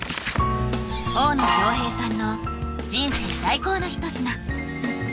大野将平さんの人生最高の一品